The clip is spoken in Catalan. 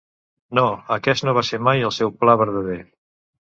No, aquest no va ser mai el seu pla verdader.